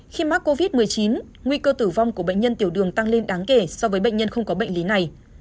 khi mắc covid một mươi chín nguy cơ tử vong của bệnh nhân tiểu đường tăng lên đáng kể so với bệnh nhân không có bệnh lý này